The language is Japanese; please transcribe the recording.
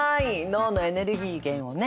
脳のエネルギー源をね